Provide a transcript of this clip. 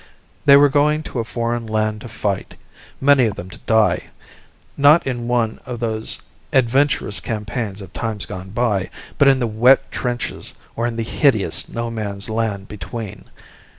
They were going to a foreign land to fight, many of them to die, not in one of those adventurous campaigns of times gone by, but in the wet trenches or the hideous No Man's Land between.